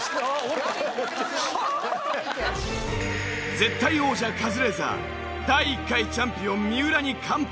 絶対王者カズレーザー第１回チャンピオン三浦に完敗。